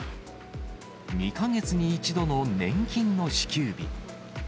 ２か月に１度の年金の支給日。